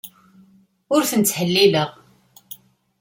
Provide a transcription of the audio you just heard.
Ur ten-ttḥellileɣ.